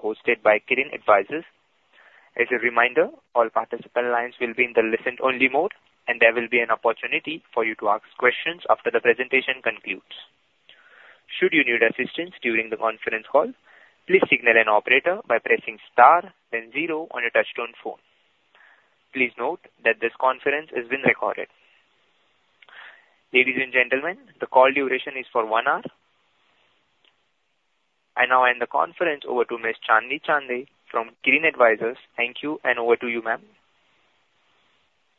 Hosted by Kirin Advisors. As a reminder, all participant lines will be in the listen-only mode, and there will be an opportunity for you to ask questions after the presentation concludes. Should you need assistance during the conference call, please signal an operator by pressing star, then zero on your touchtone phone. Please note that this conference is being recorded. Ladies and gentlemen, the call duration is for one hour. I now hand the conference over to Ms. Chandni Chandhay from Kirin Advisors. Thank you, and over to you, ma'am.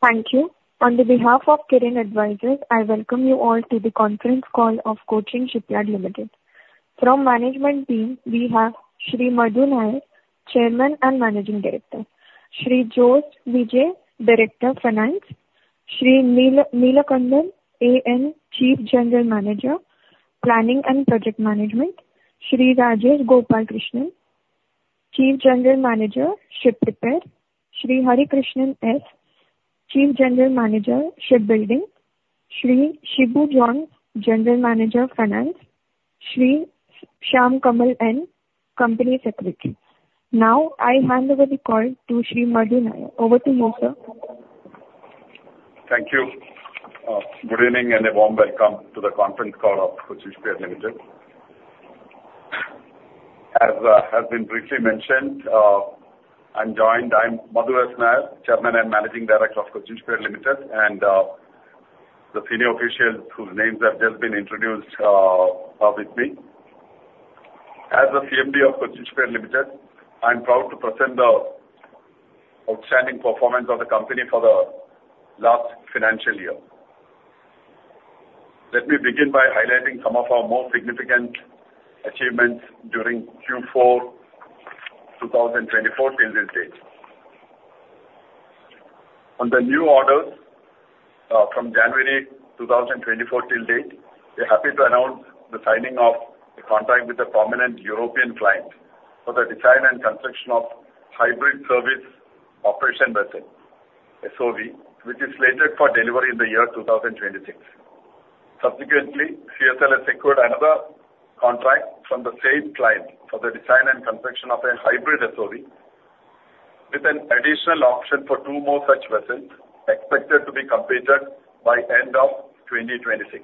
Thank you. On behalf of Kirin Advisors, I welcome you all to the conference call of Cochin Shipyard Limited. From the management team, we have Shri Madhu Nair, Chairman and Managing Director, Shri Jose V J, Director of Finance, Shri Neelakandan, AN Chief General Manager, Planning and Project Management, Shri Rajesh Gopalakrishnan, Chief General Manager, Ship Repair, Shri Harikrishnan S., Chief General Manager, Ship Building, Shri Shibu John, General Manager, Finance, Shri Shyam Kamal N., Company Secretary. Now, I hand over the call to Shri Madhu S. Nair. Over to you, sir. Thank you. Good evening and a warm welcome to the conference call of Cochin Shipyard Limited. As has been briefly mentioned, I'm Madhu S. Nair, Chairman and Managing Director of Cochin Shipyard Limited, and the senior officials whose names have just been introduced are with me. As the CMD of Cochin Shipyard Limited, I'm proud to present the outstanding performance of the company for the last financial year. Let me begin by highlighting some of our most significant achievements during Q4 2024 till this date. On the new orders from January 2024 till date, we're happy to announce the signing of a contract with a prominent European client for the design and construction of hybrid service operation vessel, SOV, which is slated for delivery in the year 2026. Subsequently, CSL has secured another contract from the same client for the design and construction of a hybrid SOV with an additional option for two more such vessels expected to be completed by the end of 2026.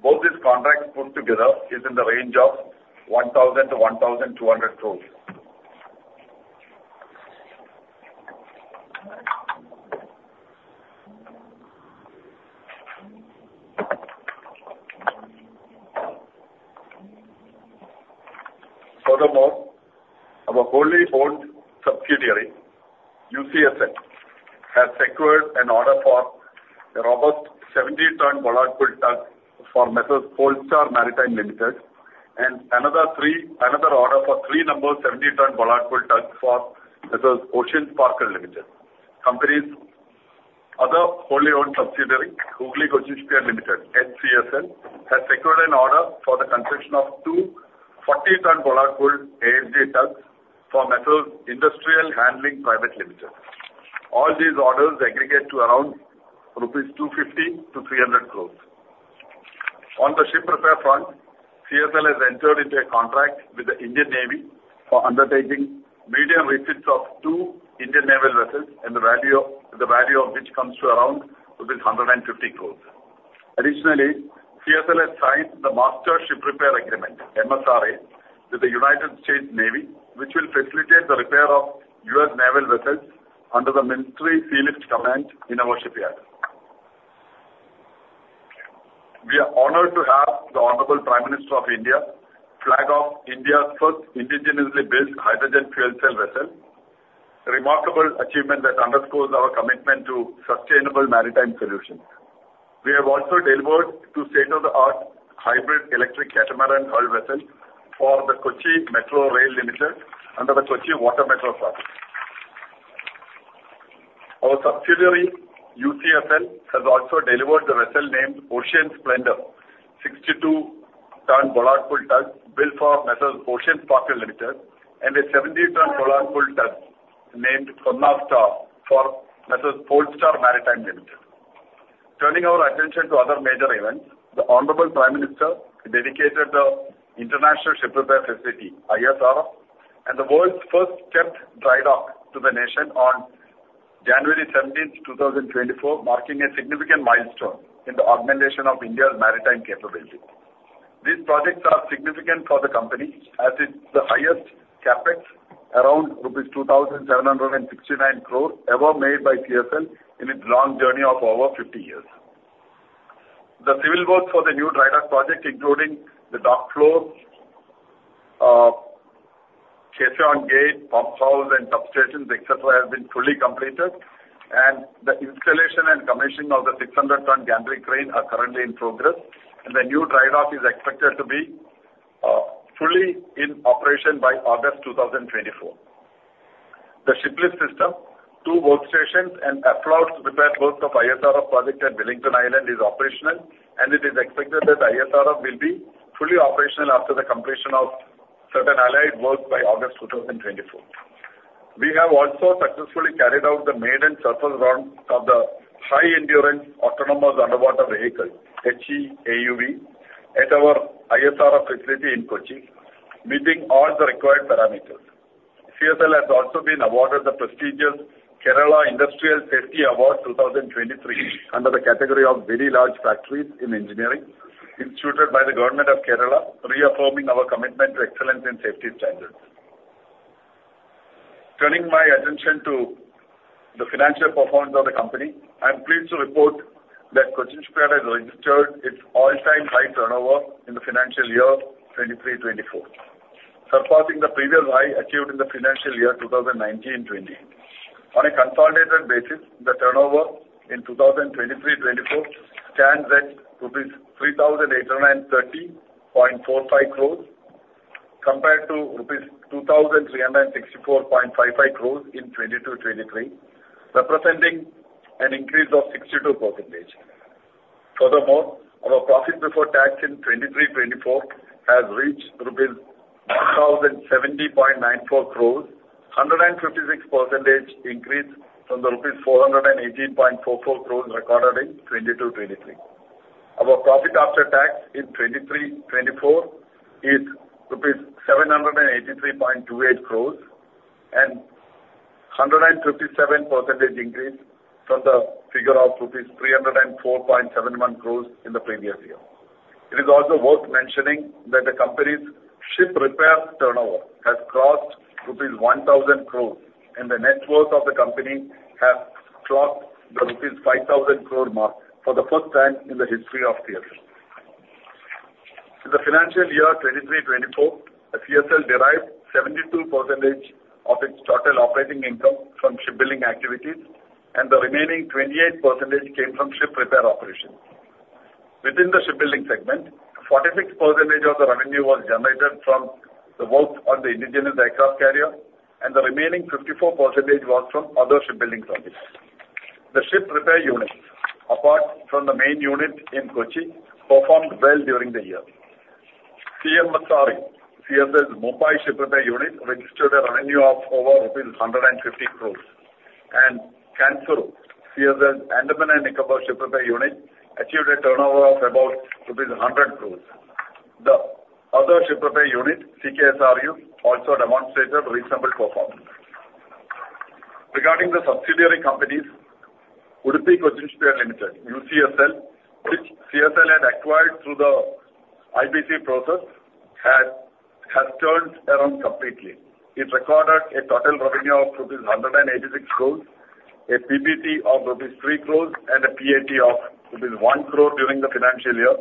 Both these contracts put together are in the range of 1,000-1,200 crores. Furthermore, our wholly-owned subsidiary, UCSL, has secured an order for a robust 70-ton bollard pull tug for Polestar Maritime Limited and another order for three 70-ton bollard pull tugs for Ocean Sparkle Limited. The company's other wholly-owned subsidiary, Hooghly Cochin Shipyard Limited, HCSL, has secured an order for the construction of two 40-ton bollard pull ASG tugs for Industrial Handling Private Limited. All these orders aggregate to around rupees 250-300 crores. On the ship repair front, CSL has entered into a contract with the Indian Navy for undertaking medium receipts of two Indian naval vessels, and the value of which comes to around rupees 150 crore. Additionally, CSL has signed the Master Ship Repair Agreement, MSRA, with the U.S. Navy, which will facilitate the repair of U.S. naval vessels under the Military Sealift Command in our shipyard. We are honored to have the Honorable Prime Minister of India flag off India's first indigenously built hydrogen fuel cell vessel, a remarkable achievement that underscores our commitment to sustainable maritime solutions. We have also delivered two state-of-the-art hybrid electric catamaran hull vessels for Kochi Metro Rail Limited under the Kochi Water Metro Project. Our subsidiary, UCSL, has also delivered the vessel named Ocean Splendor, 62-ton bollard pull tug built for Mrs. Ocean Sparkle Limited, and a 70-ton bollard pull tug named Konnath Star for Mrs. Polestar Maritime Limited. Turning our attention to other major events, the Honorable Prime Minister dedicated the International Ship Repair Facility, ISRF, and the world's first step dry dock to the nation on January 17, 2024, marking a significant milestone in the augmentation of India's maritime capability. These projects are significant for the company as it's the highest CapEx, around rupees 2,769 crore, ever made by CSL in its long journey of over 50 years. The civil works for the new dry dock project, including the dock floor, caisson gate, pump houses, and substations, etc., have been fully completed, and the installation and commissioning of the 600-ton gantry crane are currently in progress, and the new dry dock is expected to be fully in operation by August 2024. The ship lift system, two workstations, and afloat repair boat of ISRF projected at Wellington Island are operational, and it is expected that ISRF will be fully operational after the completion of certain allied works by August 2024. We have also successfully carried out the main and surface runs of the high-endurance autonomous underwater vehicle, HE AUV, at our ISRF facility in Kochi, meeting all the required parameters. CSL has also been awarded the prestigious Kerala Industrial Safety Award 2023 under the category of Very Large Factories in Engineering, instituted by the Government of Kerala, reaffirming our commitment to excellence in safety standards. Turning my attention to the financial performance of the company, I'm pleased to report that Cochin Shipyard has registered its all-time high turnover in the financial year 2023-2024, surpassing the previous high achieved in the financial year 2019-2020. On a consolidated basis, the turnover in 2023-2024 stands at rupees 3,830.45 crore compared to rupees 2,364.55 crore in 2022-2023, representing an increase of 62%. Furthermore, our profit before tax in 2023-2024 has reached rupees 1,070.94 crore, a 156% increase from the rupees 418.44 crore recorded in 2022-2023. Our profit after tax in 2023-2024 is INR 783.28 crore, a 157% increase from the figure of INR 304.71 crore in the previous year. It is also worth mentioning that the company's ship repair turnover has crossed rupees 1,000 crore, and the net worth of the company has crossed the rupees 5,000 crore mark for the first time in the history of CSL. In the financial year 2023-2024, CSL derived 72% of its total operating income from shipbuilding activities, and the remaining 28% came from ship repair operations. Within the shipbuilding segment, 46% of the revenue was generated from the work on the indigenous aircraft carrier, and the remaining 54% was from other shipbuilding projects. The ship repair units, apart from the main unit in Kochi, performed well during the year. CMSRU, CSL's Mumbai Ship Repair Unit, registered a revenue of over rupees 150 crore, and CANSURU, CSL's Andaman and Nicobar Ship Repair Unit, achieved a turnover of about rupees 100 crore. The other ship repair unit, CKSRU, also demonstrated reasonable performance. Regarding the subsidiary companies, Udupi Cochin Shipyard Limited, UCSL, which CSL had acquired through the IPC process, has turned around completely. It recorded a total revenue of rupees 186 crore, a PBT of rupees 3 crore, and a PAT of rupees 1 crore during the financial year,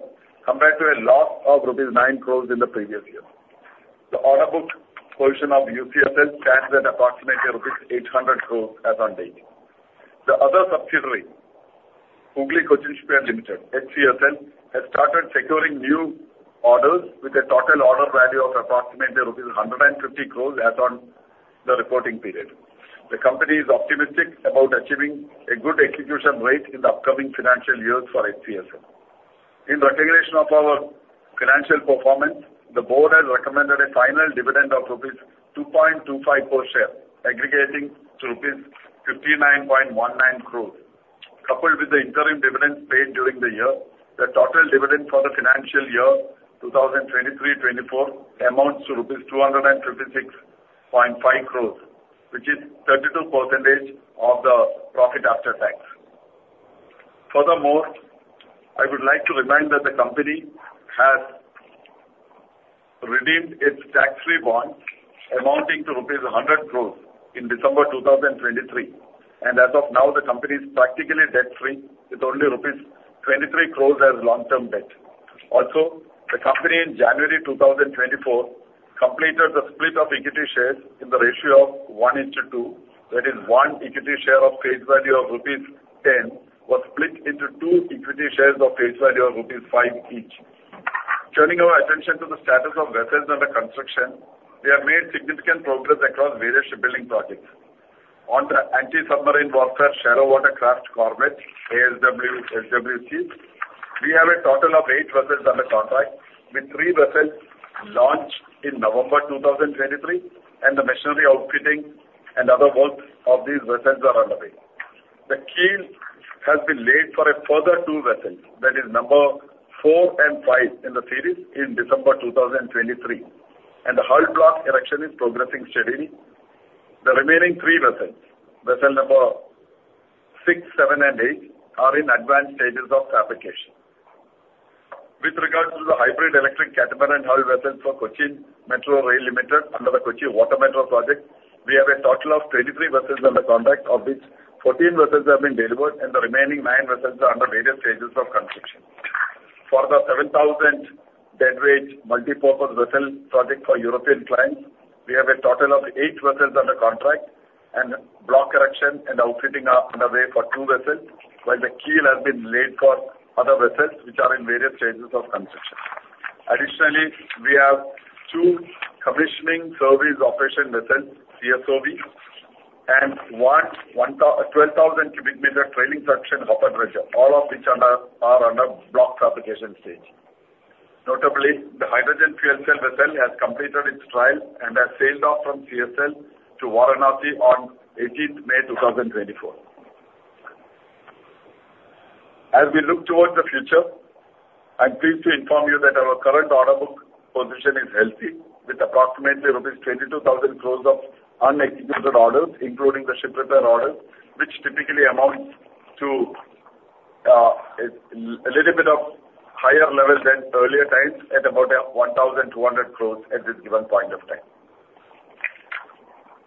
compared to a loss of rupees 9 crore in the previous year. The order book position of UCSL stands at approximately INR 800 crore as on date. The other subsidiary, Hooghly Cochin Shipyard Limited, HCSL, has started securing new orders with a total order value of approximately INR 150 crore as on the reporting period. The company is optimistic about achieving a good execution rate in the upcoming financial years for HCSL. In recognition of our financial performance, the board has recommended a final dividend of rupees 2.25 per share, aggregating to rupees 59.19 crore. Coupled with the interim dividends paid during the year, the total dividend for the financial year 2023-2024 amounts to rupees 256.5 crore, which is 32% of the profit after tax. Furthermore, I would like to remind that the company has redeemed its tax-free bond amounting to rupees 100 crore in December 2023, and as of now, the company is practically debt-free with only rupees 23 crore as long-term debt. Also, the company in January 2024 completed the split of equity shares in the ratio of 1:2, that is, one equity share of face value of rupees 10 was split into two equity shares of face value of rupees 5 each. Turning our attention to the status of vessels under construction, we have made significant progress across various shipbuilding projects. On the anti-submarine warfare shallow water craft corvettes, ASW SWC, we have a total of eight vessels under contract, with three vessels launched in November 2023, and the machinery outfitting and other works of these vessels are underway. The keel has been laid for further two vessels, that is, number four and five in the series in December 2023, and the hull block erection is progressing steadily. The remaining three vessels, vessel number six, seven, and eight, are in advanced stages of fabrication. With regards to the hybrid electric catamaran hull vessels for Kochi Metro Rail Limited under the Kochi Water Metro Project, we have a total of 23 vessels under contract, of which 14 vessels have been delivered, and the remaining nine vessels are under various stages of construction. For the 7,000 deadweight multipurpose vessel project for European clients, we have a total of eight vessels under contract, and block erection and outfitting are underway for two vessels, while the keel has been laid for other vessels, which are in various stages of construction. Additionally, we have two commissioning service operation vessels, CSOV, and one 12,000 cubic meter trailing suction hopper dredger, all of which are under block fabrication stage. Notably, the hydrogen fuel cell vessel has completed its trial and has sailed off from CSL to Varanasi on 18 May 2024. As we look towards the future, I'm pleased to inform you that our current order book position is healthy, with approximately rupees 22,000 crore of unexecuted orders, including the ship repair orders, which typically amounts to a little bit of higher level than earlier times at about 1,200 crore at this given point of time.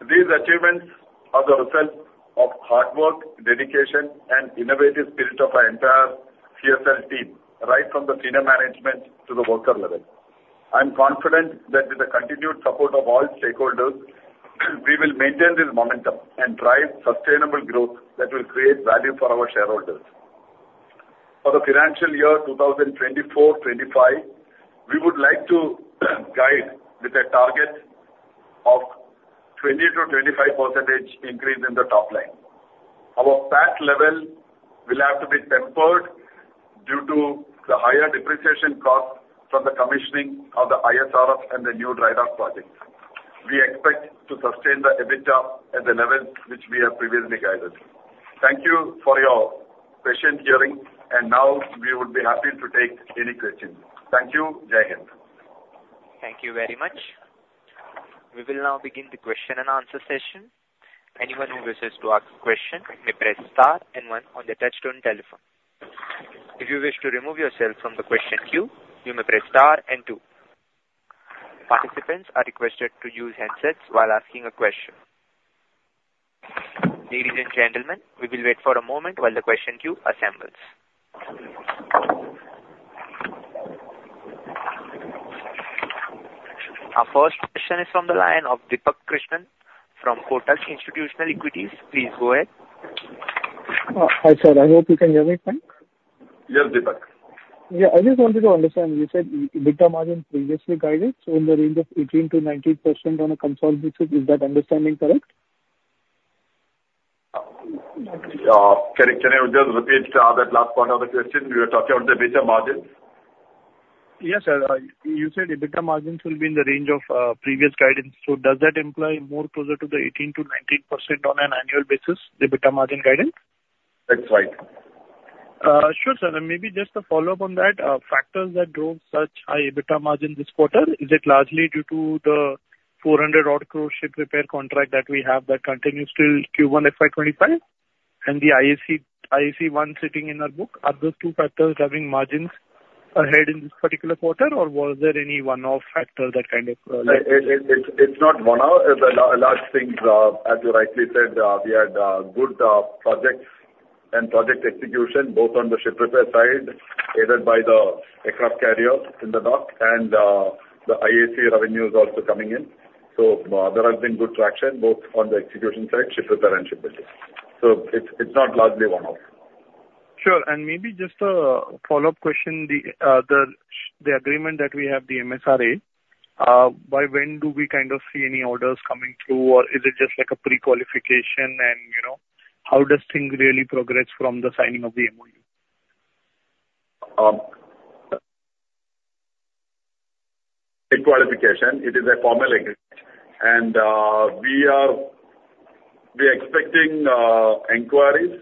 These achievements are the result of hard work, dedication, and innovative spirit of our entire CSL team, right from the senior management to the worker level. I'm confident that with the continued support of all stakeholders, we will maintain this momentum and drive sustainable growth that will create value for our shareholders. For the financial year 2024-2025, we would like to guide with a target of 20%-25% increase in the top line. Our past level will have to be tempered due to the higher depreciation cost from the commissioning of the ISRF and the new dry dock project. We expect to sustain the EBITDA at the level which we have previously guided. Thank you for your patient hearing, and now we would be happy to take any questions. Thank you. Jaihind. Thank you very much. We will now begin the question and answer session. Anyone who wishes to ask a question may press star and one on the touchstone telephone. If you wish to remove yourself from the question queue, you may press star and two. Participants are requested to use handsets while asking a question. Ladies and gentlemen, we will wait for a moment while the question queue assembles. Our first question is from the line of Deepak Krishnan from Kotak Institutional Equities. Please go ahead. Hi sir, I hope you can hear me fine. Yes, Deepak. Yeah, I just wanted to understand, you said EBITDA margin previously guided in the range of 18%-19% on a consolidated basis. Is that understanding correct? Can you just repeat that last part of the question? We were talking about the EBITDA margin. Yes sir, you said EBITDA margin will be in the range of previous guidance. So does that imply more closer to the 18%-19% on an annual basis, the EBITDA margin guidance? That's right. Sure sir, maybe just a follow up on that. Factors that drove such high EBITDA margin this quarter, is it largely due to the 400-odd crore ship repair contract that we have that continues till Q1 FY 2025? The IAC one sitting in our book, are those two factors driving margins ahead in this particular quarter, or was there any one-off factor that kind of? It's not one-off. A large thing, as you rightly said, we had good projects and project execution both on the ship repair side aided by the aircraft carrier in the dock, and the IAC revenue is also coming in. There has been good traction both on the execution side, ship repair, and ship repair. It's not largely one-off. Sure, and maybe just a follow up question. The agreement that we have, the MSRA, by when do we kind of see any orders coming through, or is it just like a pre-qualification, and how do things really progress from the signing of the MOU? Pre-qualification, it is a formal agreement, and we are expecting inquiries,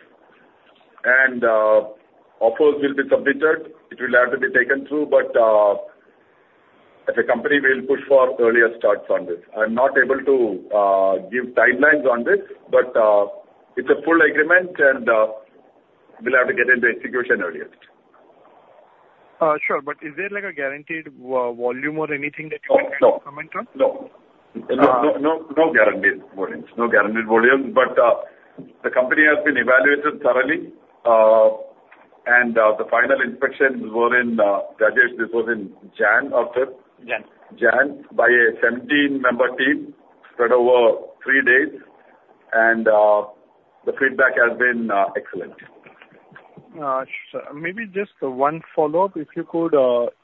and offers will be submitted. It will have to be taken through, but the company will push for earlier starts on this. I'm not able to give timelines on this, but it's a full agreement, and we'll have to get into execution earlier. Sure, but is there like a guaranteed volume or anything that you can comment on? No. No. No guaranteed volumes. No guaranteed volumes, but the company has been evaluated thoroughly, and the final inspections were in Rajesh, this was in January or February? January. January by a 17-member team spread over three days, and the feedback has been excellent. Maybe just one follow up, if you could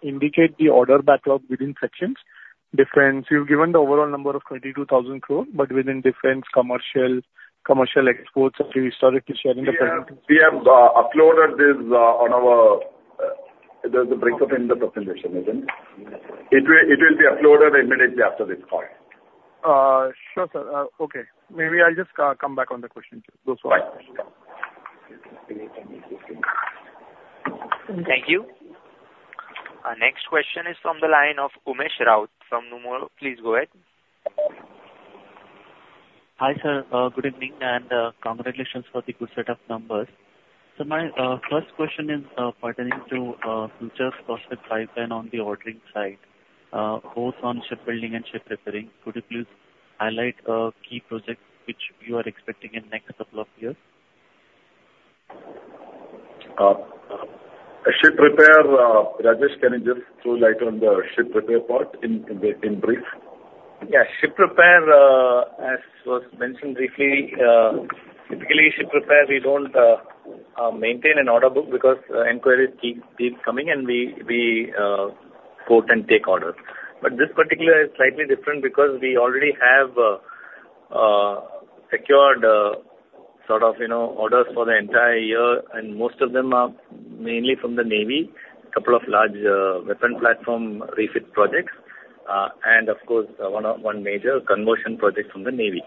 indicate the order backlog within sections. You've given the overall number of 22,000 crore, but within different commercial exports that you historically shared in the presentation. We have uploaded this on our there's a breakup in the presentation, isn't it? It will be uploaded immediately after this call. Sure sir, okay. Maybe I'll just come back on the question too. Those were all. Thank you. Our next question is from the line of Umesh Rao from Numero. Please go ahead. Hi sir, good evening, and congratulations for the good set of numbers. My first question is pertaining to future prospect pipeline on the ordering side, both on shipbuilding and ship repairing. Could you please highlight key projects which you are expecting in the next couple of years? Ship repair, Rajesh, can you just to light on the ship repair part in brief? Yeah, ship repair, as was mentioned briefly, typically ship repair, we do not maintain an order book because inquiries keep coming, and we quote and take orders. This particular is slightly different because we already have secured sort of orders for the entire year, and most of them are mainly from the Navy, a couple of large weapon platform refit projects, and of course, one major conversion project from the Navy.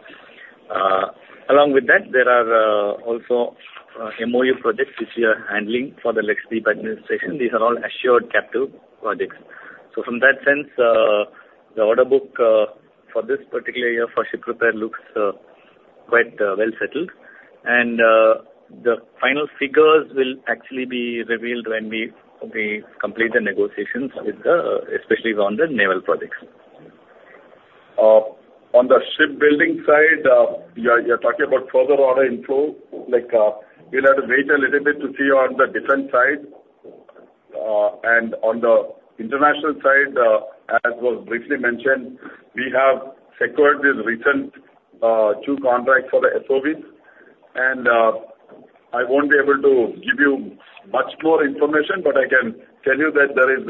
Along with that, there are also MOU projects which we are handling for the Legislative Administration. These are all assured captive projects. From that sense, the order book for this particular year for ship repair looks quite well settled, and the final figures will actually be revealed when we complete the negotiations, especially on the naval projects. On the shipbuilding side, you're talking about further order inflow. We'll have to wait a little bit to see on the defense side. On the international side, as was briefly mentioned, we have secured these recent two contracts for the SOVs, and I will not be able to give you much more information, but I can tell you that there is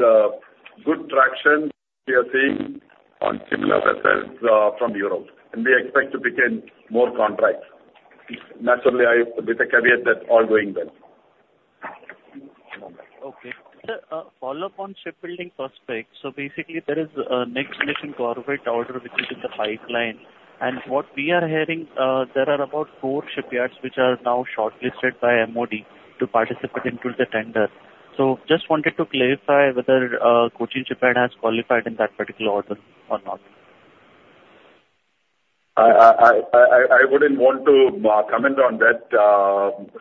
good traction we are seeing on similar vessels from Europe, and we expect to begin more contracts, naturally with the caveat that all going well. Okay. A follow up on shipbuilding prospects. Basically, there is a next mission corporate order which is in the pipeline, and what we are hearing, there are about four shipyards which are now shortlisted by MOD to participate in the tender. I just wanted to clarify whether Cochin Shipyard has qualified in that particular order or not. I wouldn't want to comment on that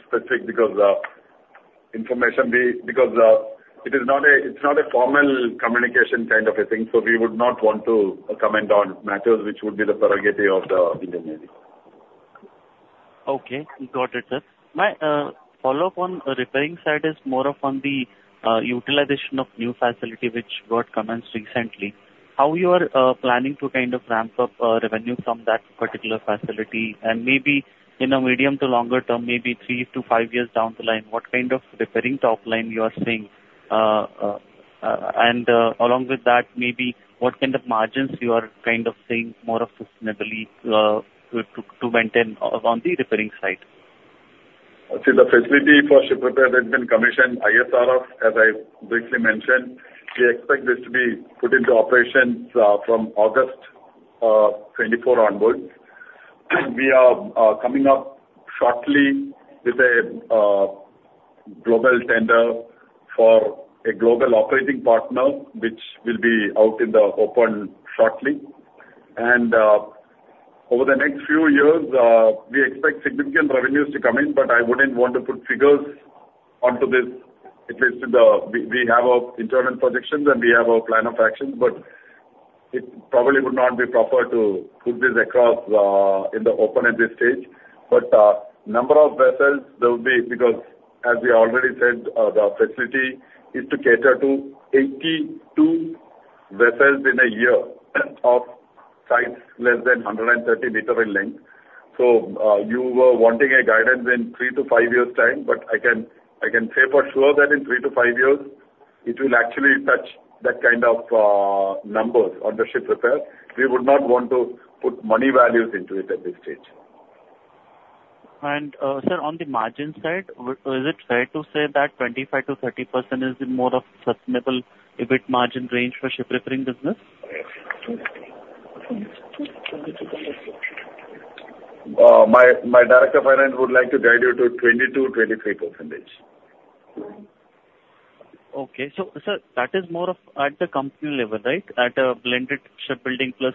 specific information because it's not a formal communication kind of a thing, so we would not want to comment on matters which would be the prerogative of the Indian Navy. Okay, got it, sir. My follow up on the repairing side is more of on the utilization of new facility which got commenced recently. How you are planning to kind of ramp up revenue from that particular facility, and maybe in a medium to longer term, maybe three to five years down the line, what kind of repairing top line you are seeing? Along with that, maybe what kind of margins you are kind of seeing more of sustainably to maintain on the repairing side? The facility for ship repair has been commissioned, ISRF, as I briefly mentioned. We expect this to be put into operation from August 2024 onwards. We are coming up shortly with a global tender for a global operating partner, which will be out in the open shortly. Over the next few years, we expect significant revenues to come in, but I would not want to put figures onto this, at least in the we have internal projections and we have a plan of action, but it probably would not be proper to put this across in the open at this stage. Number of vessels, there will be because, as we already said, the facility is to cater to 82 vessels in a year of size less than 130 meter in length. You were wanting a guidance in three to five years' time, but I can say for sure that in three to five years, it will actually touch that kind of numbers on the ship repair. We would not want to put money values into it at this stage. Sir, on the margin side, is it fair to say that 25%-30% is more of a sustainable EBIT margin range for ship repairing business? My Director Finance would like to guide you to 22%-23%. Okay. Sir, that is more of at the company level, right? At a blended shipbuilding plus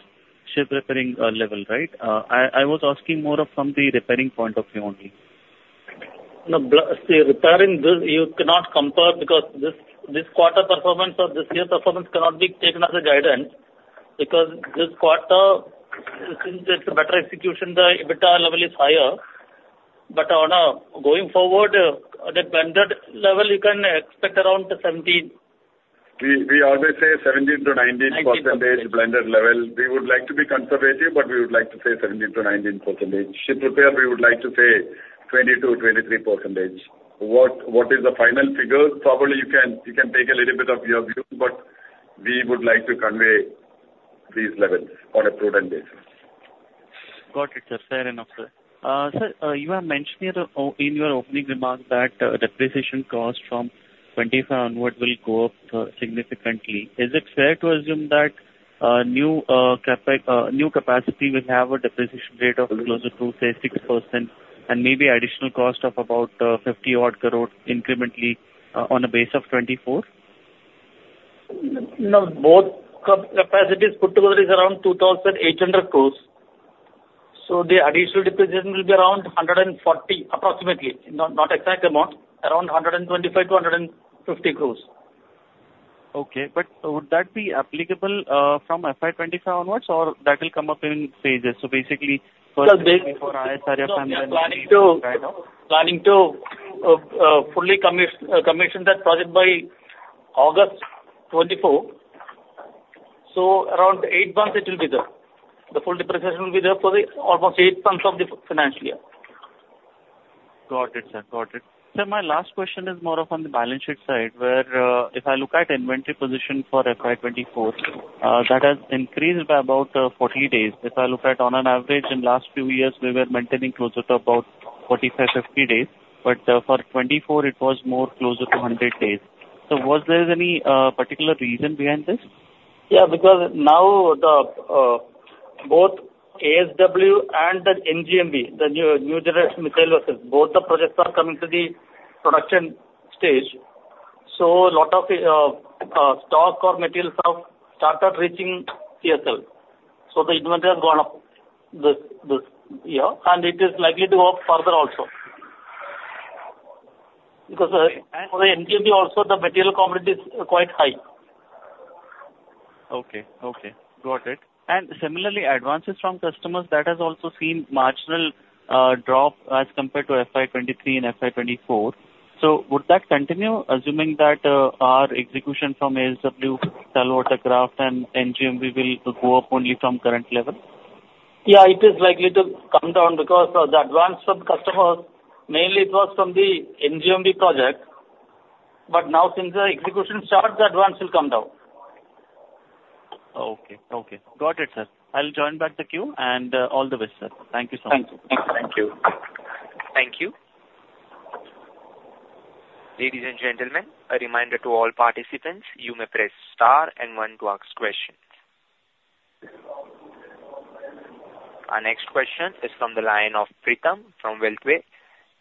ship repairing level, right? I was asking more from the repairing point of view only. No, see, repairing, you cannot compare because this quarter performance or this year's performance cannot be taken as a guidance because this quarter, since it is a better execution, the EBITDA level is higher. Going forward, at a blended level, you can expect around 17%. We always say 17%-19% blended level. We would like to be conservative, but we would like to say 17%-19%. Ship repair, we would like to say 22%-23%. What is the final figure? Probably you can take a little bit of your view, but we would like to convey these levels on a prudent basis. Got it, sir. Fair enough, sir. Sir, you have mentioned in your opening remarks that depreciation cost from 2025 onward will go up significantly. Is it fair to assume that new capacity will have a depreciation rate of closer to, say, 6% and maybe additional cost of about 500 million incrementally on a base of 24%? No, both capacities put together is around 2,800 crore. So the additional depreciation will be around 140 crore, approximately. Not exact amount, around 125 crore to 150 crore. Okay, but would that be applicable from FY 2025 onwards, or that will come up in phases? So basically, first, ISRF, and then we'll? Plan to fully commission that project by August 2024. Around eight months, it will be there. The full depreciation will be there for almost eight months of the financial year. Got it, sir. Got it. Sir, my last question is more on the balance sheet side, where if I look at inventory position for FY 2024, that has increased by about 40 days. If I look at on an average, in the last few years, we were maintaining closer to about 45-50 days, but for 2024, it was more closer to 100 days. Was there any particular reason behind this? Yeah, because now both ASW and the NGMV, the new generation missile vessels, both the projects are coming to the production stage. A lot of stock or materials have started reaching CSL. The inventory has gone up this year, and it is likely to go up further also. Because for the NGMV also, the material commodity is quite high. Okay, okay. Got it. Similarly, advances from customers, that has also seen marginal drop as compared to FY 2023 and FY 2024. Would that continue, assuming that our execution from ASW, Telwater Craft, and NGMV will go up only from current level? Yeah, it is likely to come down because the advance from customers, mainly it was from the NGMV project, but now since the execution starts, the advance will come down. Okay, okay. Got it, sir. I'll join back the queue, and all the best, sir. Thank you so much. Thank you. Thank you. Thank you. Ladies and gentlemen, a reminder to all participants, you may press star and one to ask questions. Our next question is from the line of Pritam from Beltway.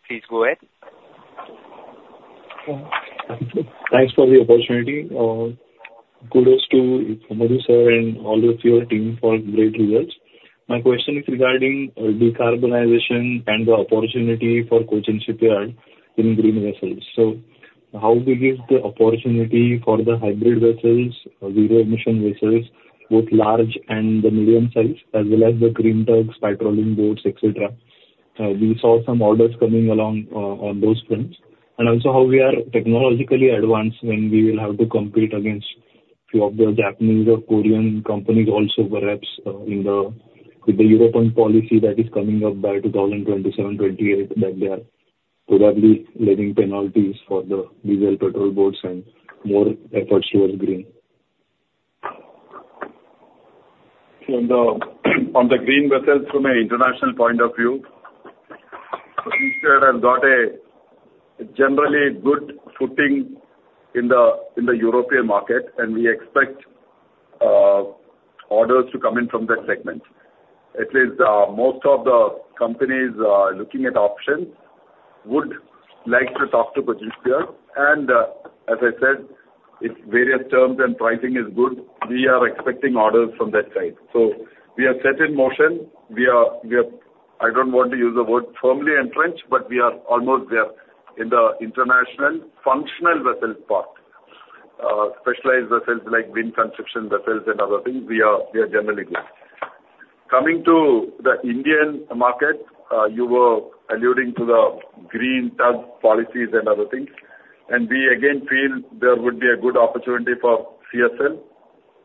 Please go ahead. Thanks for the opportunity. Kudos to Madhu sir and all of your team for great results. My question is regarding decarbonization and the opportunity for Cochin Shipyard in green vessels. How will you give the opportunity for the hybrid vessels, zero-emission vessels, both large and the medium size, as well as the green tugs, petroleum boats, etc.? We saw some orders coming along on those fronts. Also, how we are technologically advanced when we will have to compete against a few of the Japanese or Korean companies also, perhaps with the European policy that is coming up by 2027-2028, that they are probably levying penalties for the diesel petrol boats and more efforts towards green? On the green vessels, from an international point of view, Cochin Shipyard has got a generally good footing in the European market, and we expect orders to come in from that segment. At least most of the companies looking at options would like to talk to Cochin Shipyard. As I said, if various terms and pricing is good, we are expecting orders from that side. We are set in motion. I do not want to use the word firmly entrenched, but we are almost there in the international functional vessel part. Specialized vessels like wind construction vessels and other things, we are generally good. Coming to the Indian market, you were alluding to the green tug policies and other things, and we again feel there would be a good opportunity for CSL,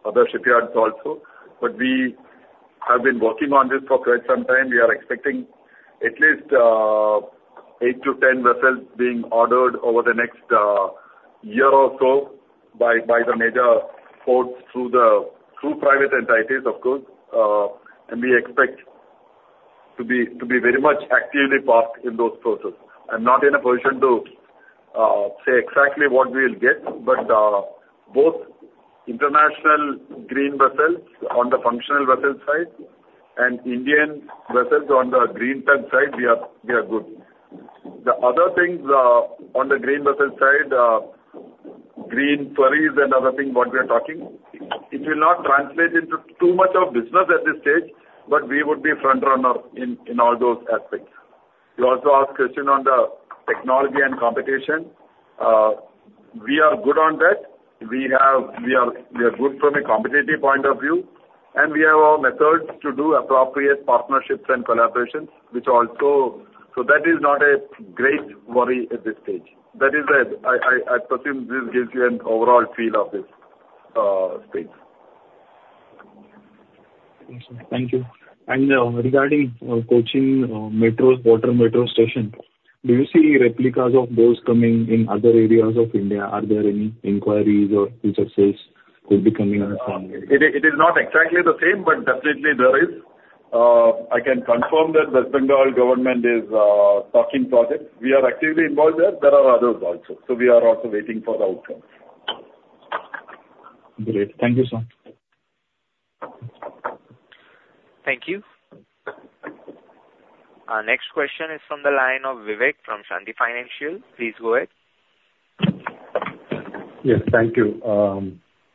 other shipyards also. We have been working on this for quite some time. We are expecting at least 8-10 vessels being ordered over the next year or so by the major ports through private entities, of course. We expect to be very much actively part in those processes. I'm not in a position to say exactly what we'll get, but both international green vessels on the functional vessel side and Indian vessels on the green tug side, we are good. The other things on the green vessel side, green ferries and other things what we are talking, it will not translate into too much of business at this stage, but we would be a front runner in all those aspects. You also asked a question on the technology and competition. We are good on that. We are good from a competitive point of view, and we have our methods to do appropriate partnerships and collaborations, which also. That is not a great worry at this stage. That is, I presume this gives you an overall feel of this stage. Thank you. Regarding Cochin Water Metro Station, do you see replicas of those coming in other areas of India? Are there any inquiries or researchers who will be coming on the same area? It is not exactly the same, but definitely there is. I can confirm that West Bengal government is talking projects. We are actively involved there. There are others also. We are also waiting for the outcomes. Great. Thank you, sir. Thank you. Our next question is from the line of Vivek from Shanti Financial. Please go ahead. Yes, thank you.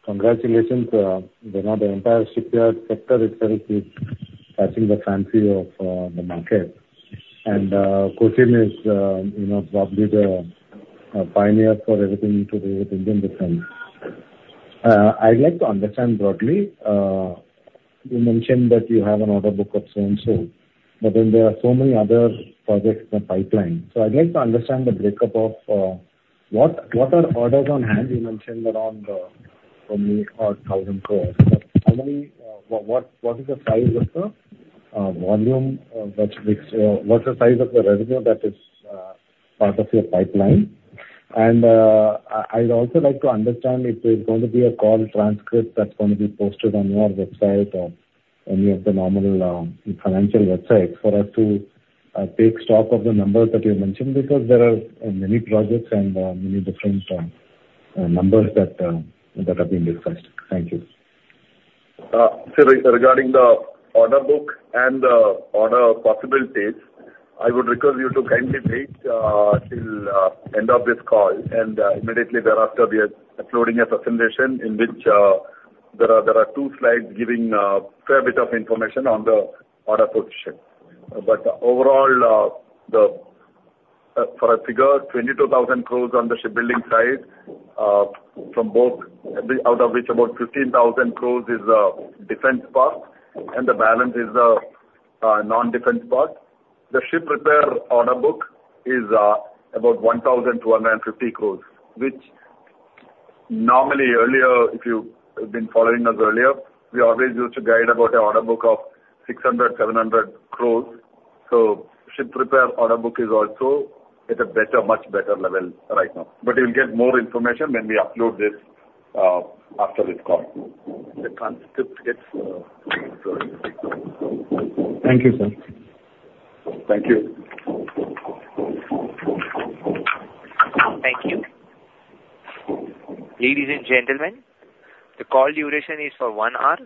Congratulations. The Empire Shipyard sector itself is catching the fancy of the market, and Cochin is probably the pioneer for everything to do with Indian vessels. I'd like to understand broadly. You mentioned that you have an order book of so and so, but then there are so many other projects in the pipeline. I would like to understand the breakup of what are orders on hand. You mentioned around 2,000 crore. What is the size of the volume? What is the size of the revenue that is part of your pipeline? I would also like to understand if there is going to be a call transcript that is going to be posted on your website or any of the normal financial websites for us to take stock of the numbers that you mentioned because there are many projects and many different numbers that are being discussed. Thank you. Regarding the order book and the order possibilities, I would request you to kindly wait till the end of this call, and immediately thereafter, we are uploading a presentation in which there are two slides giving a fair bit of information on the order position. Overall, for a figure, 22,000 crore on the shipbuilding side, out of which about 15,000 crore is defense part, and the balance is the non-defense part. The ship repair order book is about 1,250 crore, which normally earlier, if you've been following us earlier, we always used to guide about an order book of 600-700 crore. Ship repair order book is also at a much better level right now. You'll get more information when we upload this after this call. Thank you, sir. Thank you. Thank you. Ladies and gentlemen, the call duration is for one hour.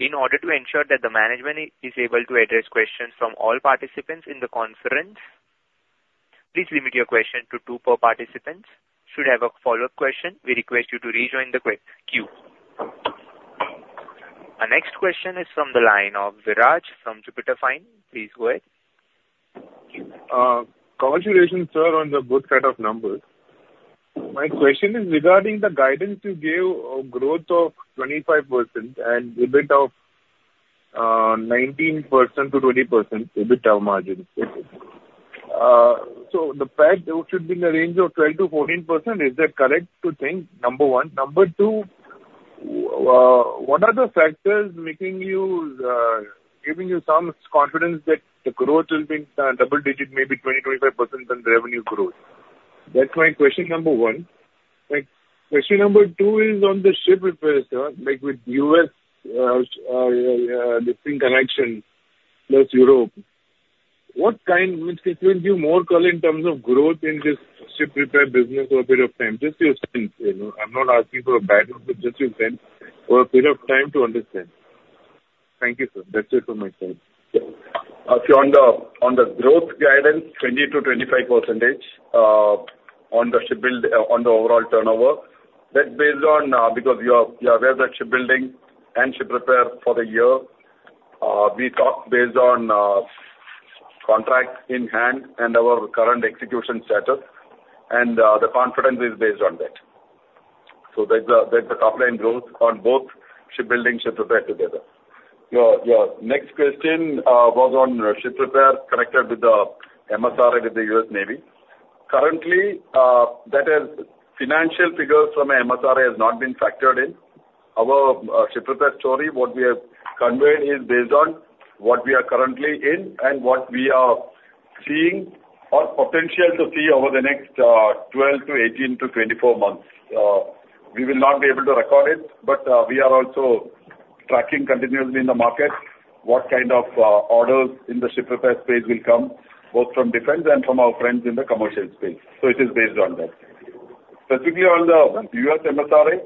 In order to ensure that the management is able to address questions from all participants in the conference, please limit your question to two per participant. Should you have a follow up question, we request you to rejoin the queue. Our next question is from the line of Viraj from Jupiter Fine. Please go ahead. Congratulations, sir, on the good set of numbers. My question is regarding the guidance you gave of growth of 25% and EBIT of 19%-20% EBITDA margins. So the PAT should be in the range of 12%-14%. Is that correct to think? Number one. Number two, what are the factors giving you some confidence that the growth will be double-digit, maybe 20%-25% in revenue growth? That's my question, number one. Question number two is on the ship repair, sir, with U.S. listing connection plus Europe. What kind gives you more color in terms of growth in this ship repair business for a period of time? Just your sense. I'm not asking for a bad answer, just your sense for a period of time to understand. Thank you, sir. That's it from my side. On the growth guidance, 20%-25% on the overall turnover, that's based on because we are aware that shipbuilding and ship repair for the year, we talk based on contract in hand and our current execution status, and the confidence is based on that. There is a top-line growth on both shipbuilding and ship repair together. Your next question was on ship repair connected with the MSRA with the U.S. Navy. Currently, that is financial figures from MSRA have not been factored in. Our ship repair story, what we have conveyed, is based on what we are currently in and what we are seeing or potential to see over the next 12-18-24 months. We will not be able to record it, but we are also tracking continuously in the market what kind of orders in the ship repair space will come, both from defense and from our friends in the commercial space. It is based on that. Specifically on the U.S. MSRA,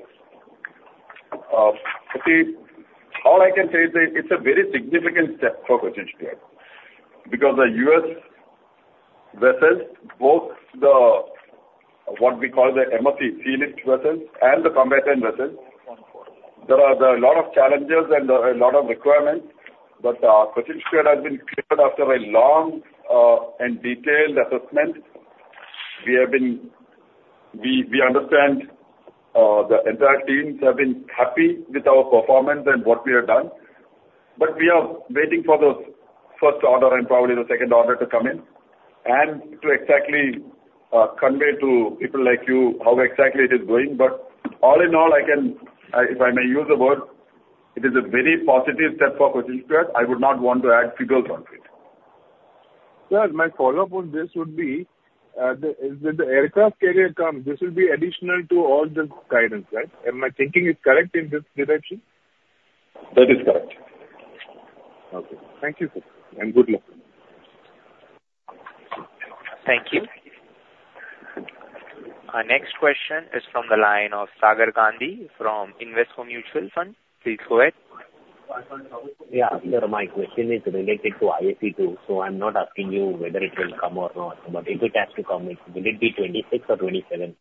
all I can say is it's a very significant step for Cochin Shipyard because the U.S. vessels, both what we call the MSC sealift vessels and the combatant vessels, there are a lot of challenges and a lot of requirements, but Cochin Shipyard has been cleared after a long and detailed assessment. We understand the entire teams have been happy with our performance and what we have done, but we are waiting for the first order and probably the second order to come in and to exactly convey to people like you how exactly it is going. All in all, if I may use a word, it is a very positive step for Cochin Shipyard. I would not want to add figures on it. Sir, my follow up on this would be, if the aircraft carrier comes, this will be additional to all the guidance, right? Am I thinking it's correct in this direction? That is correct. Okay. Thank you, sir. Good luck. Thank you. Our next question is from the line of Sagar Gandhi from Invesco Mutual Fund. Please go ahead. Yeah.Sir, my question is related to ISC2, so I'm not asking you whether it will come or not, but if it has to come, will it be 2026 or 2027?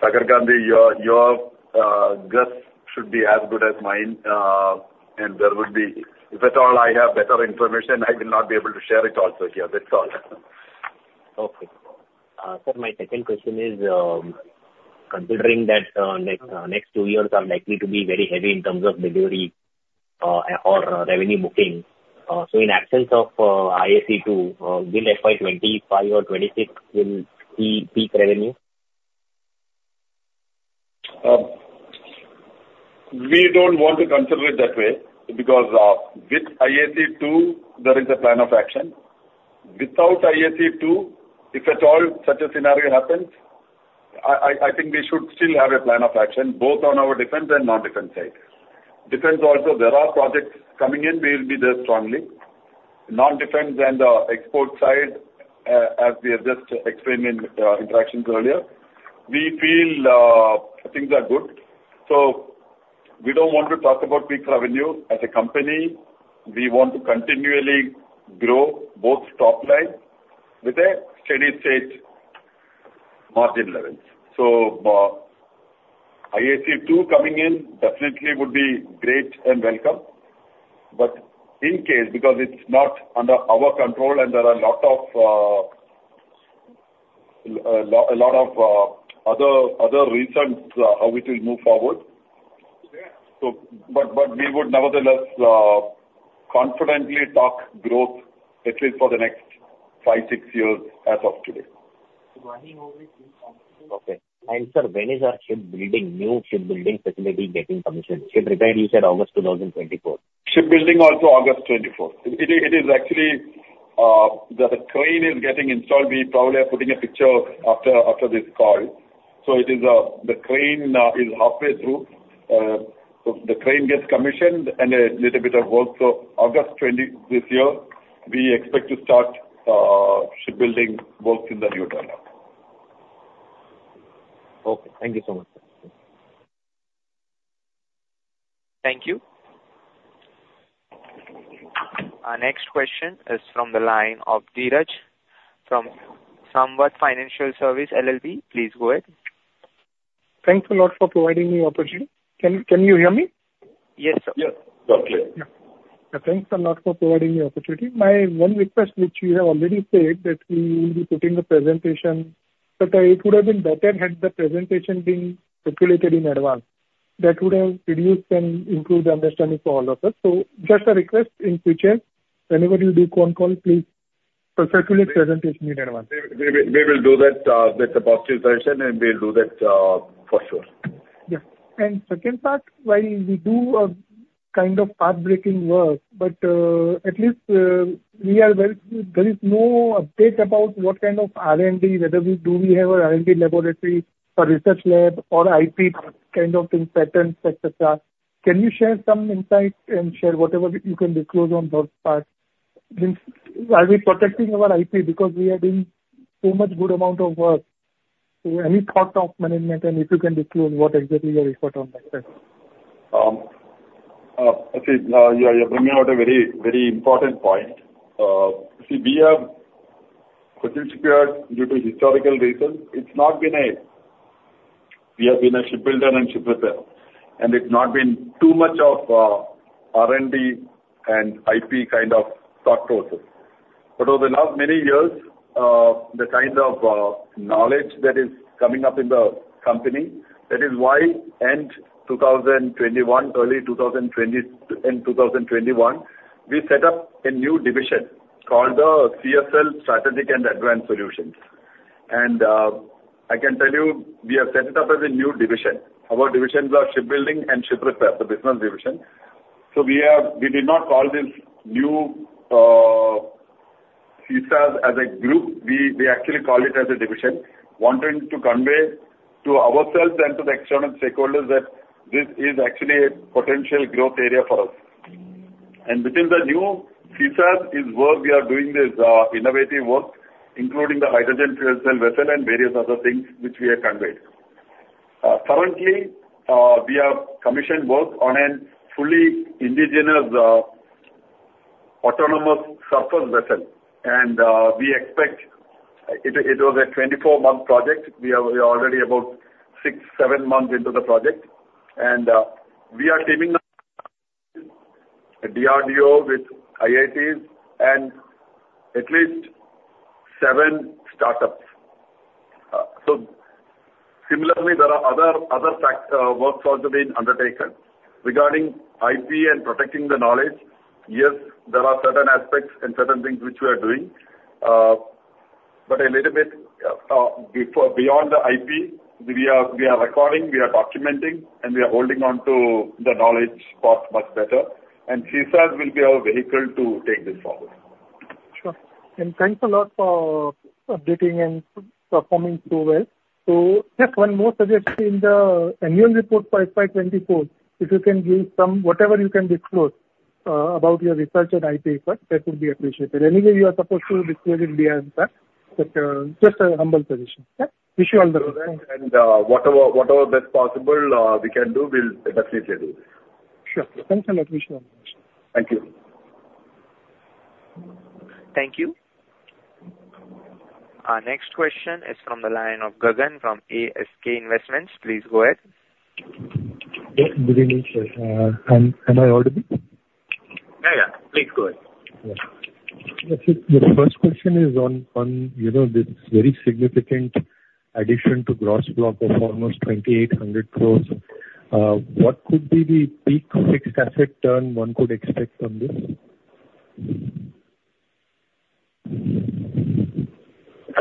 Sagar Gandhi, your guess should be as good as mine, and if at all I have better information, I will not be able to share it also here. That's all. Okay. Sir, my second question is, considering that next two years are likely to be very heavy in terms of delivery or revenue booking, so in absence of ISC2, will FY 2025 or 2026 be peak revenue? We don't want to consider it that way because with ISC2, there is a plan of action. Without ISC2, if at all such a scenario happens, I think we should still have a plan of action both on our defense and non-defense side. Defense also, there are projects coming in. We will be there strongly. Non-defense and the export side, as we have just explained in interactions earlier, we feel things are good. We do not want to talk about peak revenue. As a company, we want to continually grow both top line with a steady-state margin level. ISC2 coming in definitely would be great and welcome, but in case because it is not under our control and there are a lot of other reasons how it will move forward. We would nevertheless confidently talk growth, at least for the next 5, 6 years as of today. Okay. Sir, when is our new shipbuilding facility getting commissioned? Ship repair, you said August 2024. Shipbuilding also August 2024. It is actually the crane is getting installed. We probably are putting a picture after this call. The crane is halfway through. The crane gets commissioned and a little bit of work. August 20 this year, we expect to start shipbuilding works in the new turnover. Okay. Thank you so much. Thank you. Our next question is from the line of Dhiraj from Samvad Financial Service LLP. Please go ahead. Thanks a lot for providing me the opportunity. Can you hear me? Yes, sir. Yes. Okay. Thanks a lot for providing the opportunity. My one request, which you have already said, that we will be putting the presentation. It would have been better had the presentation been circulated in advance. That would have reduced and improved the understanding for all of us. Just a request, whenever you do phone call, please circulate the presentation in advance. We will do that with the positive direction, and we will do that for sure. Yeah. Second part, while we do a kind of path-breaking work, at least we are, there is no update about what kind of R&D, whether we have an R&D laboratory or research lab or IP kind of things, patents, etc. Can you share some insights and share whatever you can disclose on those parts? Are we protecting our IP because we are doing so much good amount of work? Any thoughts of management, and if you can disclose what exactly your effort on that? See, you are bringing out a very important point. See, we have Cochin Shipyard due to historical reasons. It's not been a, we have been a shipbuilder and ship repair, and it's not been too much of R&D and IP kind of thought process. Over the last many years, the kind of knowledge that is coming up in the company, that is why end 2021, early 2020, end 2021, we set up a new division called the CSL Strategic and Advanced Solutions. I can tell you, we have set it up as a new division. Our divisions are shipbuilding and ship repair, the business division. We did not call this new CSAS as a group. We actually call it as a division, wanting to convey to ourselves and to the external stakeholders that this is actually a potential growth area for us. Within the new CSAS is where we are doing this innovative work, including the hydrogen fuel cell vessel and various other things which we have conveyed. Currently, we have commissioned work on a fully indigenous autonomous surface vessel, and we expect it was a 24-month project. We are already about six, seven months into the project, and we are teaming up DRDO with ISCs and at least seven startups. Similarly, there are other work also being undertaken. Regarding IP and protecting the knowledge, yes, there are certain aspects and certain things which we are doing, but a little bit beyond the IP, we are recording, we are documenting, and we are holding on to the knowledge much better. CSAs will be our vehicle to take this forward. Sure. Thanks a lot for updating and performing so well. Just one more suggestion in the annual report for FY 2024, if you can give some whatever you can disclose about your research and IP effort, that would be appreciated. Anyway, you are supposed to disclose it via answer, but just a humble suggestion. Wish you all the best. Whatever best possible we can do, we'll definitely do. Sure. Thanks a lot. Wish you all the best. Thank you. Thank you. Our next question is from the line of Gagan from ASK Investments. Please go ahead. Yes. Good evening, sir. Can I order this? Yeah, yeah. Please go ahead. The first question is on this very significant addition to gross block of almost 2,800 crore. What could be the peak fixed asset turn one could expect from this? Can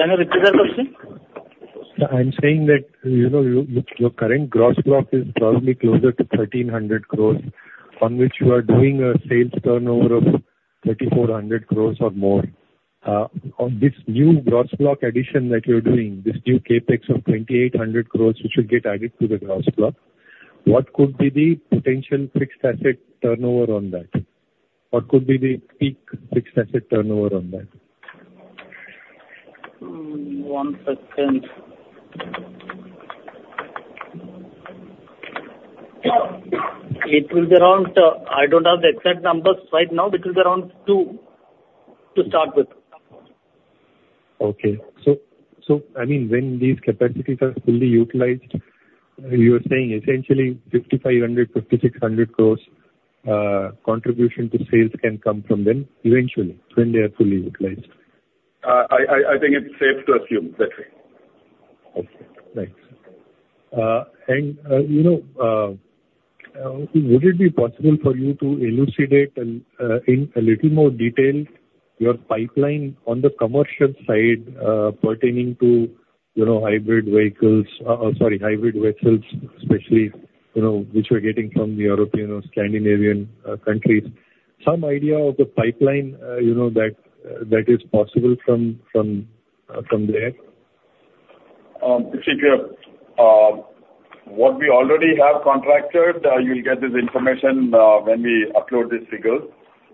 I repeat that question? I'm saying that your current gross block is probably closer to 1,300 crore, on which you are doing a sales turnover of 3,400 crore or more. This new gross block addition that you're doing, this new CapEx of 2,800 crore, which will get added to the gross block, what could be the potential fixed asset turnover on that? What could be the peak fixed asset turnover on that? One second. It will be around, I don't have the exact numbers right now, but it will be around two to start with. Okay. I mean, when these capacities are fully utilized, you are saying essentially 5,500-5,600 crore contribution to sales can come from them eventually when they are fully utilized. I think it's safe to assume that way. Okay. Thanks. Would it be possible for you to elucidate in a little more detail your pipeline on the commercial side pertaining to hybrid vehicles or, sorry, hybrid vessels, especially which we're getting from the European or Scandinavian countries? Some idea of the pipeline that is possible from there? What we already have contracted, you'll get this information when we upload this figure.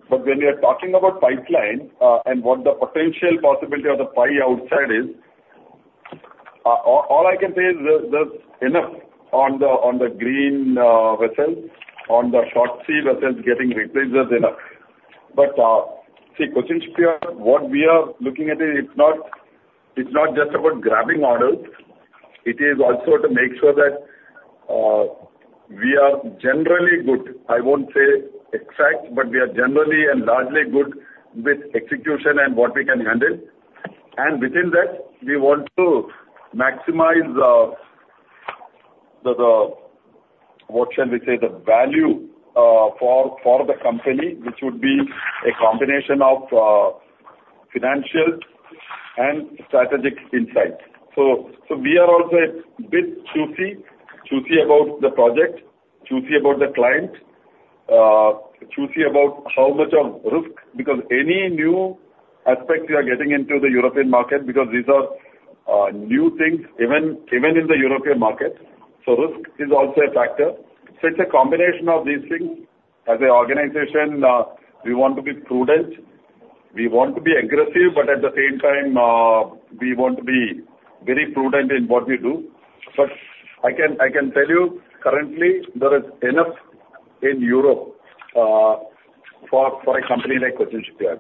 When we are talking about pipeline and what the potential possibility of the PI outside is, all I can say is there's enough on the green vessels, on the short sea vessels getting replaced, there's enough. See, Cochin Shipyard, what we are looking at, it's not just about grabbing orders. It is also to make sure that we are generally good. I won't say exact, but we are generally and largely good with execution and what we can handle. Within that, we want to maximize the, what shall we say, the value for the company, which would be a combination of financial and strategic insight. We are also a bit choosy about the project, choosy about the client, choosy about how much of risk because any new aspect we are getting into the European market because these are new things, even in the European market. Risk is also a factor. It is a combination of these things. As an organization, we want to be prudent. We want to be aggressive, but at the same time, we want to be very prudent in what we do. I can tell you, currently, there is enough in Europe for a company like Cochin Shipyard.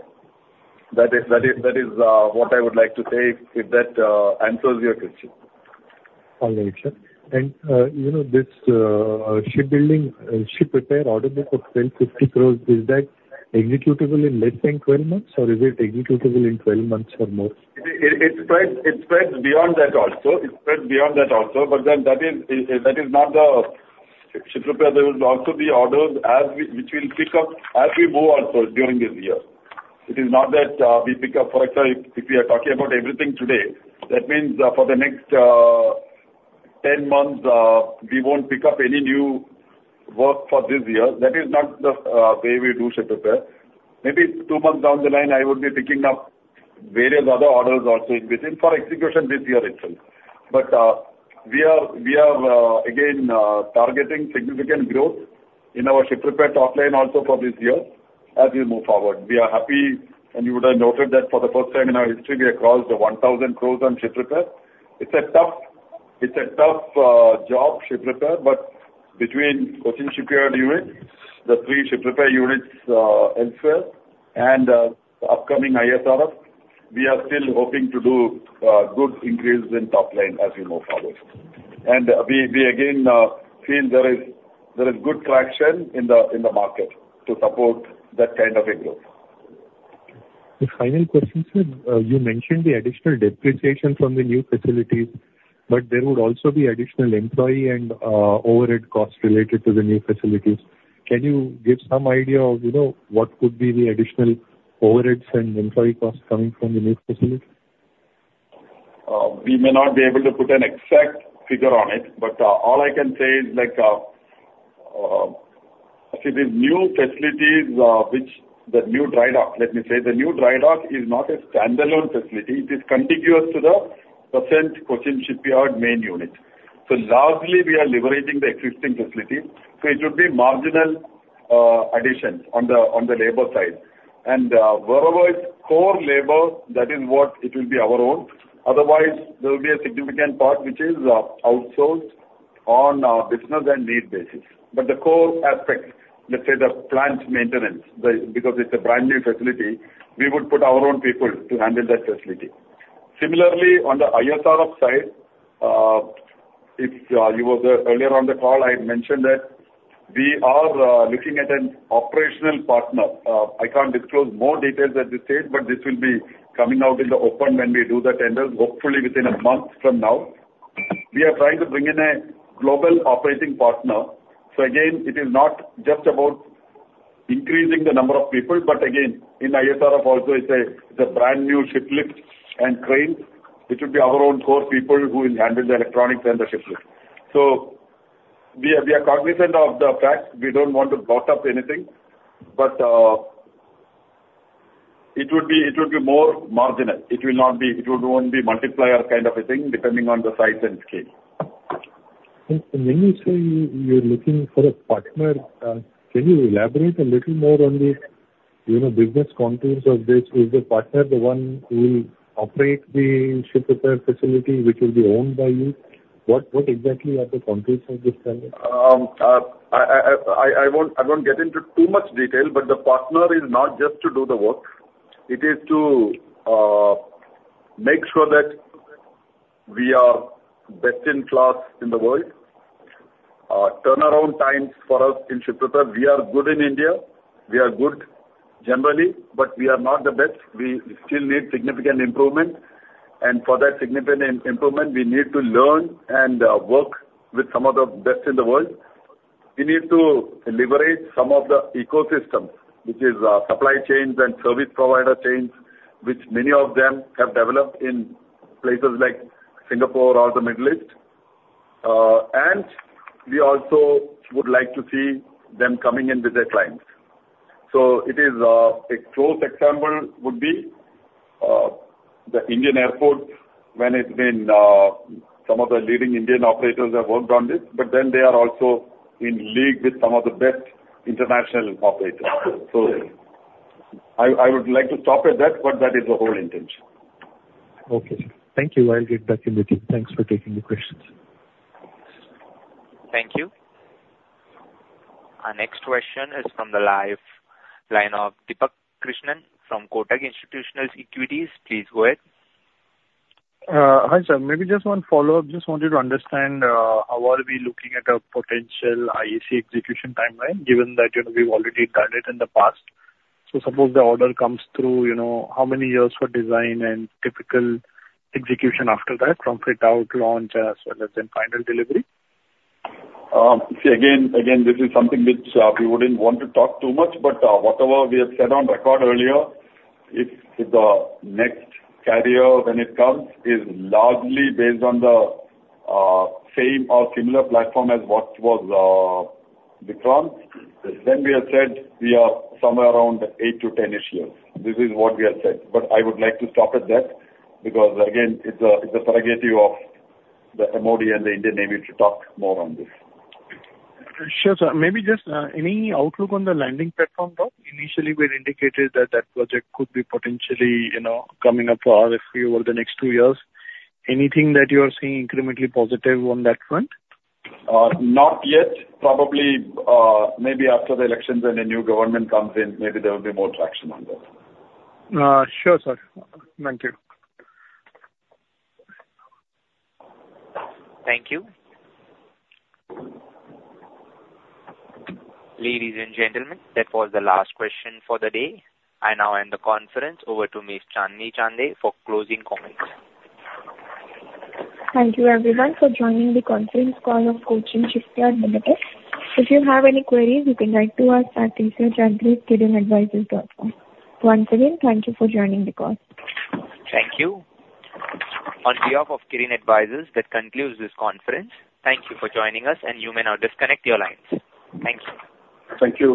That is what I would like to say if that answers your question. All right, sir. This shipbuilding ship repair order book of 1,250 crore, is that executable in less than 12 months, or is it executable in 12 months or more? It spreads beyond that also. It spreads beyond that also. That is not the ship repair. There will also be orders which we will pick up as we move on during this year. It is not that we pick up. For example, if we are talking about everything today, that means for the next 10 months, we won't pick up any new work for this year. That is not the way we do ship repair. Maybe two months down the line, I would be picking up various other orders also in between for execution this year itself. We are, again, targeting significant growth in our ship repair top line also for this year as we move forward. We are happy, and you would have noted that for the first time in our history, we have crossed 1,000 crore on ship repair. It's a tough job, ship repair, but between Cochin Shipyard unit, the three ship repair units elsewhere, and the upcoming ISRF, we are still hoping to do good increases in top line as we move forward. We, again, feel there is good traction in the market to support that kind of a growth. The final question, sir, you mentioned the additional depreciation from the new facilities, but there would also be additional employee and overhead costs related to the new facilities. Can you give some idea of what could be the additional overheads and employee costs coming from the new facility? We may not be able to put an exact figure on it, but all I can say is, see, these new facilities, which the new dry dock, let me say, the new dry dock is not a standalone facility. It is contiguous to the present Cochin Shipyard main unit. Largely, we are liberating the existing facility. It would be marginal additions on the labor side. Wherever it is core labor, that is what it will be, our own. Otherwise, there will be a significant part which is outsourced on a business and need basis. But the core aspect, let's say the plant maintenance, because it's a brand new facility, we would put our own people to handle that facility. Similarly, on the ISRF side, if you were there earlier on the call, I had mentioned that we are looking at an operational partner. I can't disclose more details at this stage, but this will be coming out in the open when we do the tenders, hopefully within a month from now. We are trying to bring in a global operating partner. It is not just about increasing the number of people, but again, in ISRF also, it's a brand new ship lift and crane, which would be our own core people who will handle the electronics and the ship lift. We are cognizant of the fact. We do not want to block up anything, but it would be more marginal. It will not be, it will not be multiplier kind of a thing depending on the size and scale. When you say you are looking for a partner, can you elaborate a little more on the business contours of this? Is the partner the one who will operate the ship repair facility, which will be owned by you? What exactly are the contours of this tender? I will not get into too much detail, but the partner is not just to do the work. It is to make sure that we are best in class in the world. Turnaround times for us in ship repair, we are good in India. We are good generally, but we are not the best. We still need significant improvement. For that significant improvement, we need to learn and work with some of the best in the world. We need to liberate some of the ecosystems, which is supply chains and service provider chains, which many of them have developed in places like Singapore or the Middle East. We also would like to see them coming in with their clients. A close example would be the Indian airport when some of the leading Indian operators have worked on this, but then they are also in league with some of the best international operators. I would like to stop at that, but that is the whole intention. Okay. Thank you. I'll get back in the team. Thanks for taking the questions. Thank you. Our next question is from the live line of Deepak Krishnan from Kotak Institutional Equities. Please go ahead. Hi, sir. Maybe just one follow up. Just wanted to understand how are we looking at a potential ISC execution timeline, given that we've already done it in the past. Suppose the order comes through, how many years for design and typical execution after that from fit-out, launch, as well as then final delivery? See, again, this is something which we wouldn't want to talk too much, but whatever we have said on record earlier, if the next carrier when it comes is largely based on the same or similar platform as what was Vikram, then we have said we are somewhere around 8-10 years. This is what we have said. I would like to stop at that because, again, it's a prerogative of the MOD and the Indian Navy to talk more on this. Sure, sir. Maybe just any outlook on the landing platform, though? Initially, we had indicated that project could be potentially coming up for RFP over the next two years. Anything that you are seeing incrementally positive on that front? Not yet. Probably maybe after the elections and a new government comes in, maybe there will be more traction on that. Sure, sir. Thank you. Thank you. Ladies and gentlemen, that was the last question for the day. I now end the conference over to Ms. Chandni Chandhay for closing comments. Thank you, everyone, for joining the conference call of Cochin Shipyard Limited. If you have any queries, you can write to us at research@greenadvisors.com. Once again, thank you for joining the call. Thank you. On behalf of Kirin Advisors, that concludes this conference. Thank you for joining us, and you may now disconnect your lines. Thank you. Thank you.